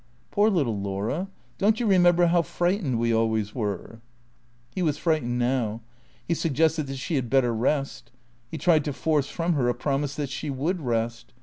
Poor little Laura, don't you remember how frightened we al ways were ?" He was frightened now. He suggested that she had better rest. He tried to force from her a promise that she would rest.